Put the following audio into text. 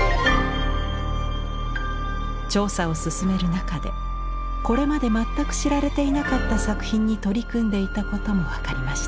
調査を進める中でこれまで全く知られていなかった作品に取り組んでいたことも分かりました。